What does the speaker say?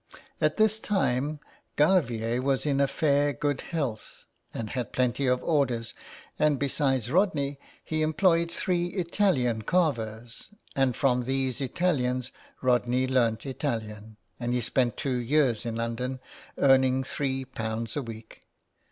At this time Garvier was in fairly good health and had plenty of orders, and besides Rodney he employed three Italian carvers, and from these Italians Rodney learned Italian, and he spent two years in London earning three pounds a week.